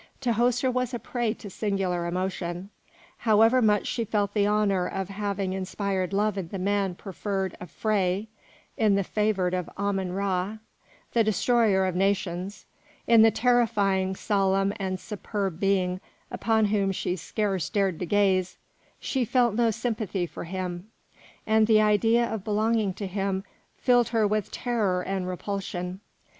Tahoser was a prey to singular emotion. However much she felt the honour of having inspired love in the man preferred of Phré, in the favoured of Ammon Ra, the destroyer of nations, in the terrifying, solemn and superb being upon whom she scarce dared to gaze, she felt no sympathy for him, and the idea of belonging to him filled her with terror and repulsion.